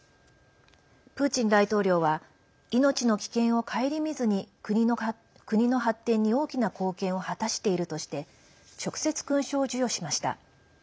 プーチン大統領は命の危険を顧みずに国の発展に大きな貢献を果たしているとして直接、勲章を授与しました。